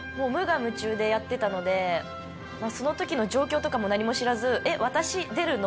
でやってたのでその時の状況とかも何も知らず。